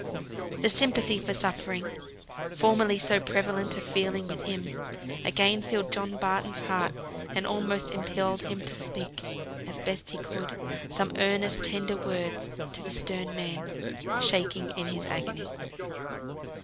The sympathy for suffering, formerly so prevalent a feeling with him, again filled John Barton's heart, and almost impelled him to speak (as best he could) some earnest, tender words to the stern man, shaking in his agony.